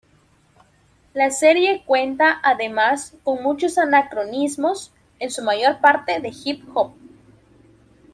La serie cuenta además con muchos anacronismos, en su mayor parte de hip-hop.